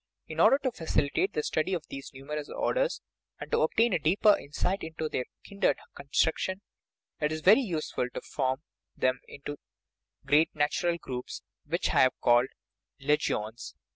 In order to facilitate the study of these numerous orders, and to obtain a deeper insight into their kindred construction, it is very useful to form them into great natural groups, which I have called " le gions."